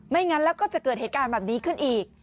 งั้นแล้วก็จะเกิดเหตุการณ์แบบนี้ขึ้นอีก